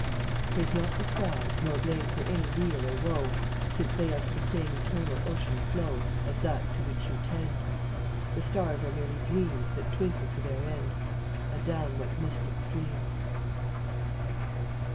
39 Praise not the skies nor blame For any weal or woe, Since they unto the same Eternal ocean flow As that to which you tend; The stars are merely dreams That twinkle to their end Adown what mystic streams